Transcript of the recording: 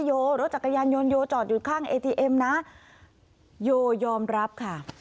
โยรถจักรยานยนต์โยจอดอยู่ข้างเอทีเอ็มนะโยยอมรับค่ะ